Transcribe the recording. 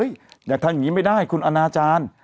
อยากทำอย่างนี้ไม่ได้คุณอนาจารย์